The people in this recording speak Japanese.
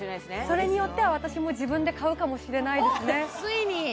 それによっては私も自分で買うかもしれないですね